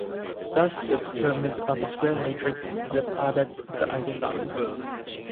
Thus the determinant of a square matrix is the product of the eigenvalues.